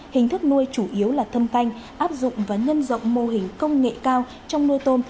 hình thức nuôi chủ yếu là thâm canh áp dụng và nhân rộng mô hình công nghệ cao trong nuôi tôm